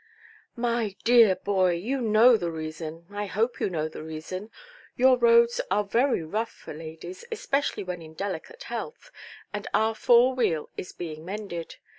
"My dear boy, you know the reason; I hope you know the reason. Your roads are very rough for ladies, especially when in delicate health, and our four–wheel is being mended.